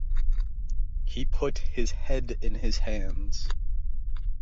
He put his head in his hands.